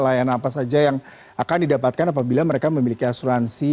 layanan apa saja yang akan didapatkan apabila mereka memiliki asuransi